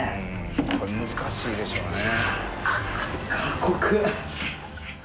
これ難しいでしょうね。